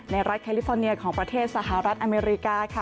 รัฐแคลิฟอร์เนียของประเทศสหรัฐอเมริกาค่ะ